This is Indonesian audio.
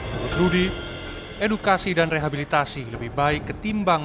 menurut rudy edukasi dan rehabilitasi lebih baik ketimbang